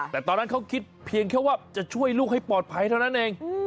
แต่ตอนนั้นเขาคิดเพียงแค่ว่าจะช่วยลูกให้ปลอดภัยเท่านั้นเอง